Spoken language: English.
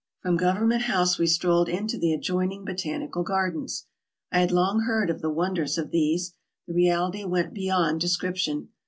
From Government House we strolled into the adjoining Botanical Gardens. I had long heard of the wonders of these. The reality went beyond description.